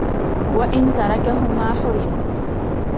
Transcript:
وَإِنْ تَرَكَهُمَا حُرِمَ